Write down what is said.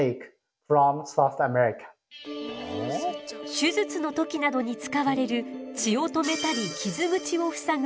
手術の時などに使われる血を止めたり傷口をふさぐ組織接着剤。